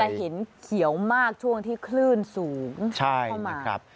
แต่เห็นเขียวมากช่วงที่คลื่นสูงใช่นะครับ